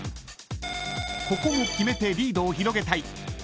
［ここも決めてリードを広げたい］